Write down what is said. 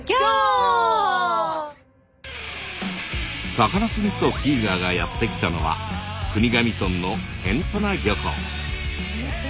さかなクンとキィガーがやって来たのは国頭村の辺土名漁港。